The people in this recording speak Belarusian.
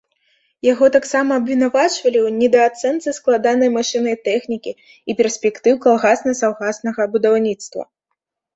Яго таксама абвінавачвалі ў недаацэнцы складанай машыннай тэхнікі і перспектыў калгасна-саўгаснага будаўніцтва.